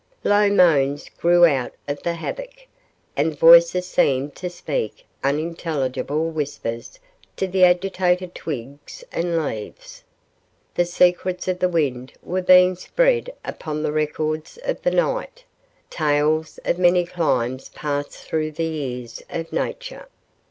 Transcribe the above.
Low moans grew out of the havoc, and voices seemed to speak in unintelligible whispers to the agitated twigs and leaves. The secrets of the wind were being spread upon the records of the night; tales of many climes passed through the ears of Nature.